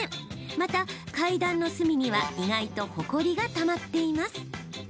また、階段の隅には意外とほこりがたまっています。